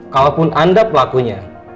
kalaupun anda pelakunya